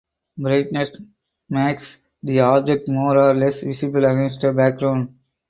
Brightness makes the object more or less visible against the background.